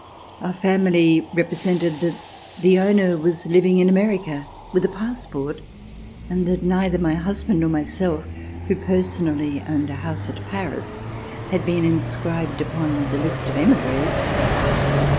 Our family represented that the owner was living in America with a passport, and that neither my husband nor myself, who person ally owned a house at Paris, had been inscribed upon the list of emigres.